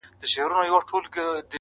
ټولوي رزق او روزي له لویو لارو.!